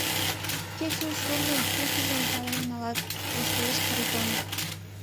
Кеч у шурнын пушыжым пален налат, — воштылеш Харитонов.